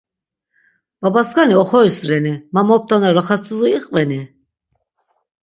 Babaskani oxoris reni, ma moptana raxatsuzi iqveni?